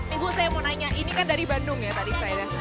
ibu saya mau nanya ini kan dari bandung ya tadi saya